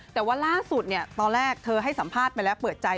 แต่ว่าล่าสุดตอนแรกเธอให้สัมภาษณ์ไปแล้วเปิดใจ